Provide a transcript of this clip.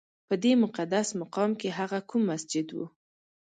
په دې مقدس مقام کې هغه کوم مسجد و؟